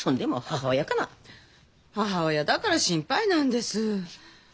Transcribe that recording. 母親だから心配なんです。